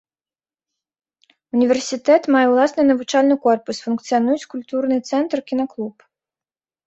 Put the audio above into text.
Універсітэт мае ўласны навучальны корпус, функцыянуюць культурны цэнтр, кінаклуб.